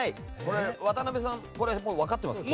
渡辺さんこれ分かってますよね。